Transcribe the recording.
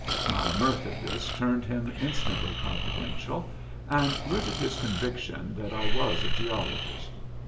My mirth at this turned him instantly confidential, and rooted his conviction that I was a geologist.